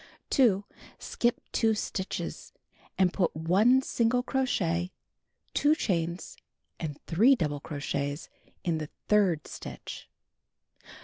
2. Skip 2 stitches, and put 1 single crochet, 2 chains, and 3 double crochets in the third stitch.